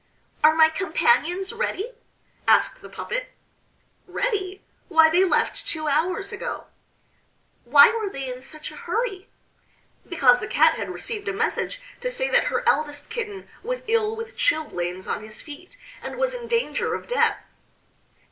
"Are my companions ready?" asked the puppet. "Ready! Why, they left two hours ago." "Why were they in such a hurry?" "Because the Cat had received a message to say that her eldest kitten was ill with chilblains on his feet, and was in danger of death."